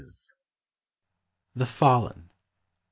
THE FALLEN.